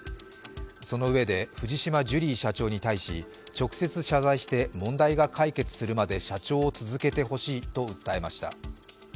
そのうえで、藤島ジュリー社長に対し直接謝罪して問題が解決するまで社長を続けてほしいと訴えました。